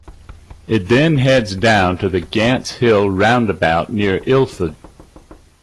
It then heads down to the Gants Hill Roundabout near Ilford.